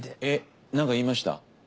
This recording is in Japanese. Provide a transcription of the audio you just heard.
えっなんか言いました？